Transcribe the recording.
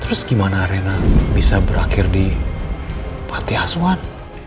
terus gimana arena bisa berakhir di pantai asuhan